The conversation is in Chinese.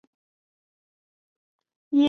卒于乾隆四十二年。